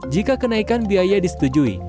jika kenaikan biaya disetujui